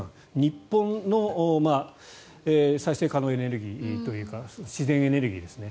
日本の再生可能エネルギーというか自然エネルギーですね。